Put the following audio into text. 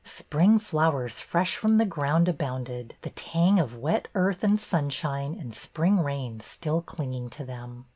Spring flowers fresh from the ground abounded, the tang of wet earth and sunshine and spring rains still clinging to them.